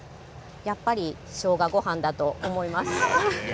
やっぱりしょうがごはんだと思います。